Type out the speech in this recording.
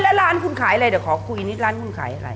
แล้วร้านคุณขายอะไรเดี๋ยวขอคุยนิดร้านคุณขายอะไร